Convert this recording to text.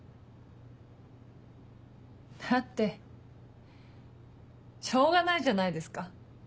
だってしょうがないじゃないですか。